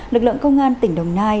lực lượng công an tỉnh đồng nai